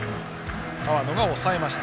河野、抑えました。